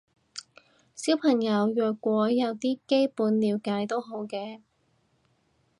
小朋友若果有啲基本了解都好嘅